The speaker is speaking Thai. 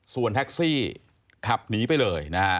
ส่วนแท็กซี่ขับหนีไปเลยนะฮะ